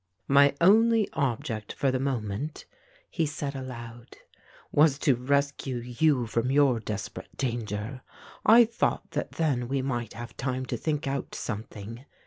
"My only object for the moment," he said aloud, "was to rescue you from your desperate danger. I thought that then we might have time to think out something.